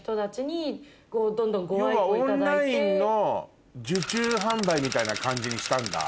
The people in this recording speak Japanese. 要はオンラインの受注販売みたいな感じにしたんだ？